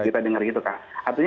kita dengar gitu kan